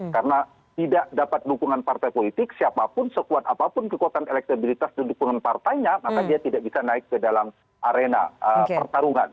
karena tidak dapat dukungan partai politik siapapun sekuat apapun kekuatan elektabilitas dan dukungan partainya maka dia tidak bisa naik ke dalam arena pertarungan